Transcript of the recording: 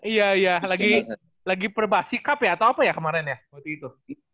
iya iya lagi perbah sikap ya atau apa ya kemarin ya waktu itu